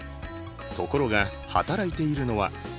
ところが働いているのは。